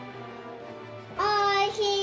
おいしい！